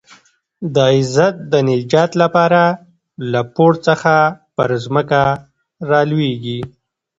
د عزت د نجات لپاره له پوړ څخه پر ځمکه رالوېږي.